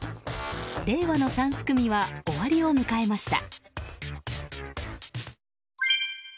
令和の三すくみは終わりを迎えました。